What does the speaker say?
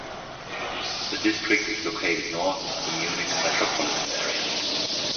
The district is located north of the Munich metropolitan area.